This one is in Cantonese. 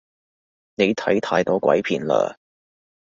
你睇太多鬼片喇